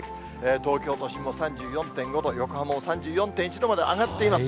東京都心も３４．５度、横浜も３４．１度まで上がっています。